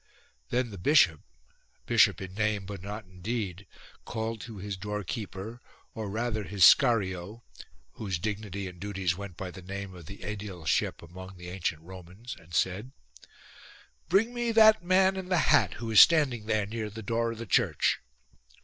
Then the bishop — bishop in name but not in deed — called to his doorkeeper or rather his scario (whose dignity and duties went by the name of the aedileship among the ancient Romans) and said :" Bring me that man in the hat who is standing there near the door of the church."